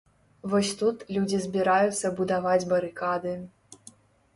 Вось тут людзі збіраюцца будаваць барыкады.